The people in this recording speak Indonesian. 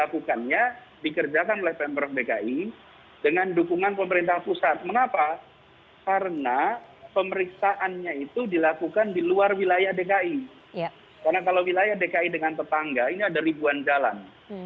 karena kalau wilayah dki dengan tetangga ini ada ribuan jalan